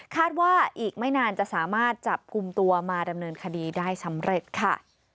ว่าอีกไม่นานจะสามารถจับกลุ่มตัวมาดำเนินคดีได้สำเร็จค่ะ